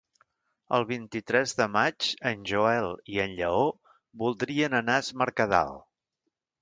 El vint-i-tres de maig en Joel i en Lleó voldrien anar a Es Mercadal.